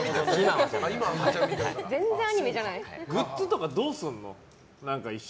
グッズとかどうするの？